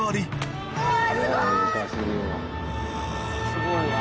すごいわ。